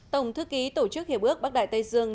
tổng thư ký tổ chức hiệp ước bắc đại tây dương